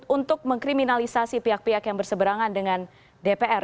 untuk mengkriminalisasi pihak pihak yang berseberangan dengan dpr